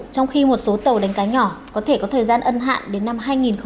trong khi một số tàu đánh cá nhỏ có thể có thời gian ân hạn đến năm hai nghìn hai mươi